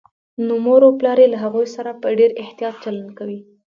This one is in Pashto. نو مور و پلار يې له هغوی سره په ډېر احتياط چلند کوي